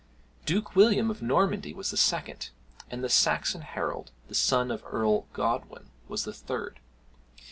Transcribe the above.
] Duke William of Normandy was the second; and the Saxon Harold, the son of Earl Godwin, was the third.